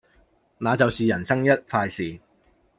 那就是人生一快事